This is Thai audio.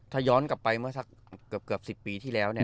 ถ้าย้อนกลับไปเมื่อสักเกือบ๑๐ปีที่แล้ว